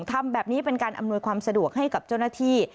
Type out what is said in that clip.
ทำแบบนี้เป็นการอำนวยความสะดวกให้กับเจ้าหน้าที่